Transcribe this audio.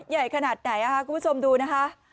ใหญ่ขนาดไหนคุณผู้ชมดูนะคะ